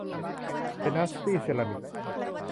ไดนาสตี้เซรามิค